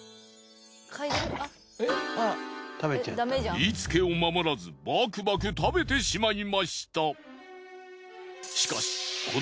言いつけを守らずバクバク食べてしまいました。